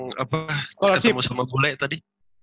ketemu sama bule tadi